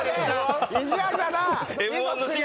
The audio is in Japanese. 意地悪だね！